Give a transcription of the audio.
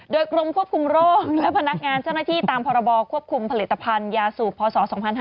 โดยกรมควบคุมโรคและพนักงานเจ้าหน้าที่ตามพรบควบคุมผลิตภัณฑ์ยาสูบพศ๒๕๕๙